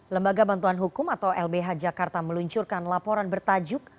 lembaga bantuan hukum atau lbh jakarta meluncurkan laporan bertajuk